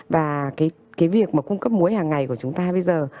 và cái việc mà cung cấp muối hàng ngày của chúng ta bây giờ